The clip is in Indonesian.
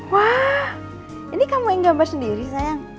wah ini kamu yang gambar sendiri sayang